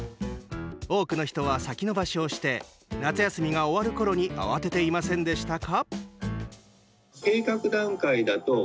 多くの人は先延ばしをして夏休みが終わるころに慌てていませんでしたか？